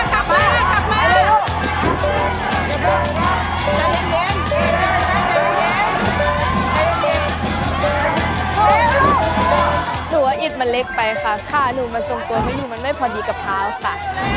หนูว่าอิทมันเล็กไปค่ะค่าหนูมาส่งตัวให้อยู่มันไม่พอดีกับพาวค่ะ